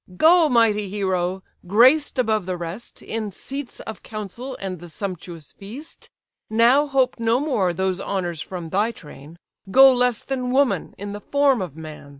"Go, mighty hero! graced above the rest In seats of council and the sumptuous feast: Now hope no more those honours from thy train; Go less than woman, in the form of man!